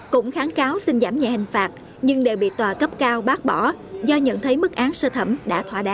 cũng kháng cáo xin giảm nhẹ hình phạt nhưng đều bị tòa cấp cao bác bỏ do nhận thấy mức án sơ thẩm đã thỏa đáng